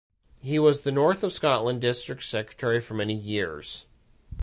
He was the North of Scotland district secretary for many years.